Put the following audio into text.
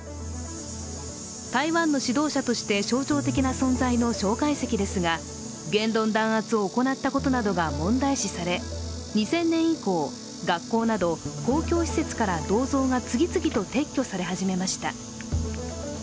台湾の指導者として象徴的な存在の蒋介石ですが言論弾圧を行ったことなどが問題視され２０００年以降、学校など公共施設から銅像が次々と撤去され始めました。